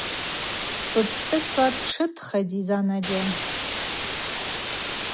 Бпхӏвыспа тшытхади занаджьа?